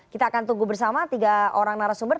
kita akan tunggu bersama tiga orang narasumber